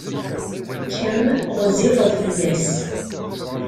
Kemm ɣezzifeḍ fell-as.